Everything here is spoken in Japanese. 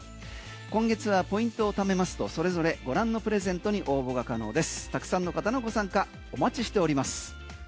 今月はポイントを貯めますとそれぞれ御覧のプレゼントに応募が可能です。